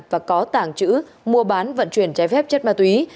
và có tảng chữ mua bán vận chuyển trái phép chất ma túy